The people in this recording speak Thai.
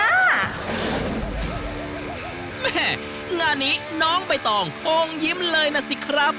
แม่งานนี้น้องใบตองคงยิ้มเลยนะสิครับ